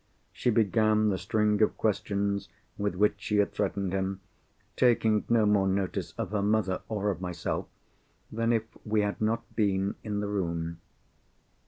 She began the string of questions with which she had threatened him, taking no more notice of her mother, or of myself, than if we had not been in the room.